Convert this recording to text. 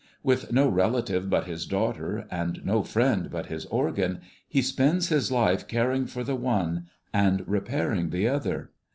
With no relative but his daughter, and no friend but his organ, he spends his life caring for the one and repairing the other.